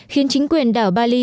khiến chính quyền đảo bali